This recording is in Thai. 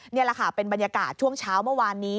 นี่แหละค่ะเป็นบรรยากาศช่วงเช้าเมื่อวานนี้